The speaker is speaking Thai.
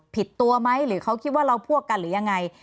ผิดตัวไหมหรือเขาคิดว่าเราพวกกันหรือยังไง